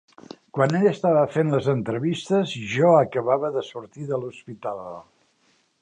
Quan ell estava fent les entrevistes, jo acabava de sortir de l'hospital.